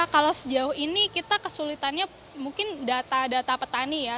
kalau sejauh ini kita kesulitannya mungkin data data petani ya